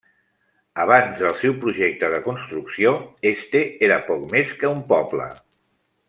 Abans del seu projecte de construcció, Este era poc més que un poble.